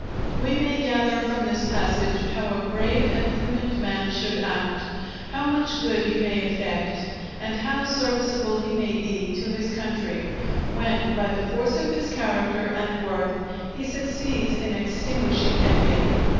We may gather from this passage how a brave and prudent man should act, how much good he may effect, and how serviceable he may be to his country, when by the force of his character and worth he succeeds in extinguishing envy.